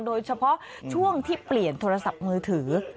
โดยเฉพาะช่วงที่เปลี่ยนโทรศัพท์มือถือ